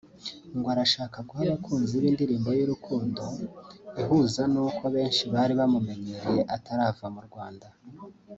ngo arashaka guha abakunzi be indirimbo y’urukundo ihuza n’uko benshi bari bamumenyereye atarava mu Rwanda